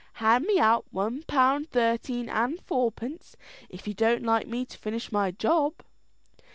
Hand me out one pound thirteen and fourpence if you don't like me to finish my job."